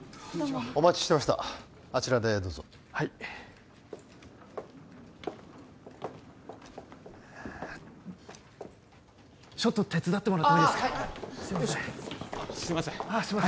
お待ちしてましたあちらでどうぞはいちょっと手伝ってもらってもいいですか？